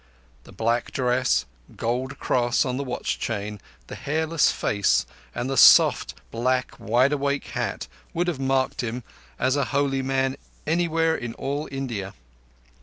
The black dress, gold cross on the watch chain, the hairless face, and the soft, black wideawake hat would have marked him as a holy man anywhere in all India.